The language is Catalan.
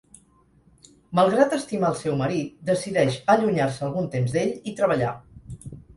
Malgrat estimar el seu marit, decideix allunyar-se algun temps d'ell i treballar.